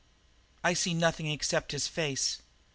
"I see nothing except his face.